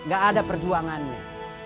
gak ada perjuangannya